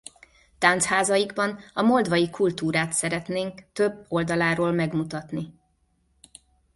Táncházaikban a moldvai kultúrát szeretnénk több oldaláról megmutatni.